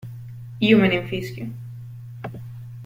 Io me ne infischio.